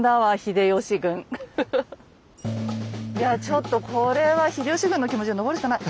いやちょっとこれは秀吉軍の気持ちで登るしかない。